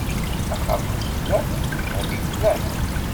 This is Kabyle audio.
Axxam n snat, lhemm ifna-t.